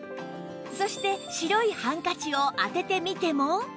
そして白いハンカチをあててみても